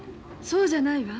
そうじゃないわ。